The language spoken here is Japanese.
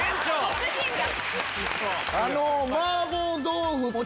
ご主人が！